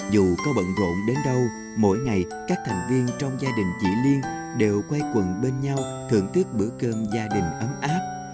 dù có bận rộn đến đâu mỗi ngày các thành viên trong gia đình chị liên đều quay quần bên nhau thưởng thức bữa cơm gia đình ấm áp